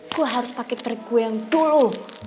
gue harus pake trick gue yang dulu